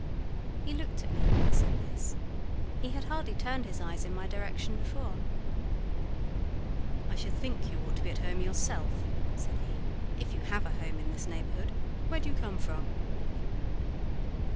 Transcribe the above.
He looked at me when I said this; he had hardly turned his eyes in my direction before. "I should think you ought to be at home yourself," said he, "if you have a home in this neighbourhood: where do you come from?"